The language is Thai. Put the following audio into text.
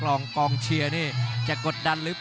และอัพพิวัตรสอสมนึก